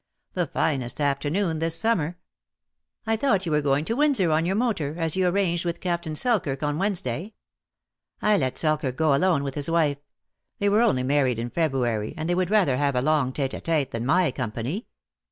The finest afternoon this summer !" "I thought you were going to Windsor on your motor, as you arranged with Captain Selkirk on Wednesday." "I let Selkirk go alone, with his wife. They were only married in February, and they would rather have a long tete a tete than my company."